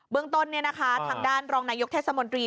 เบื้องตนเนี่ยนะคะทางด้านรองนายกเทศมนตรี